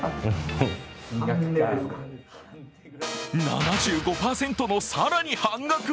７５％の更に半額？